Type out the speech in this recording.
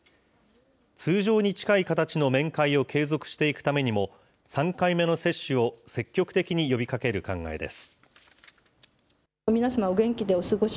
通常に近い形の面会を継続していくためにも、３回目の接種を積極的に呼びかける考えです。